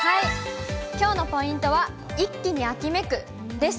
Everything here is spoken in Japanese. きょうのポイントは、一気に秋めくです。